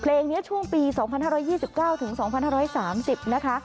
เพลงนี้ช่วงปี๒๕๒๙ถึง๒๕๓๐นะคะ